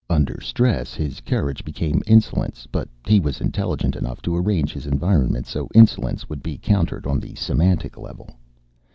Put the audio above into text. Under stress, his courage became insolence. But he was intelligent enough to arrange his environment so insolence would be countered on the semantic level.